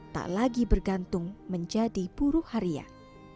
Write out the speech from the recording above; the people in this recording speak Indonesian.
tak lagi bergantung menjadi buruh harian